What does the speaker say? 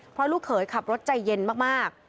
เพราะลูกเขยขับรถใจเย็นมาก